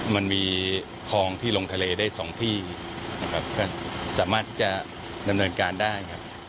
มันมีคลองที่ลงทะเลได้๒ที่สามารถที่จะดำเนินการได้